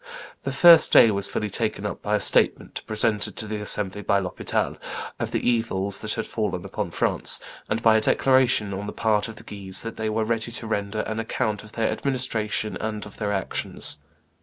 The first day was fully taken up by a statement, presented to the assembly by L'Hospital, of the evils that had fallen upon France, and by a declaration on the part of the Guises that they were ready to render an account of their administration and of their actions.